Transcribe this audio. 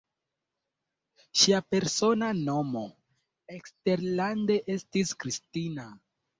Ŝia persona nomo eksterlande estis Kristina.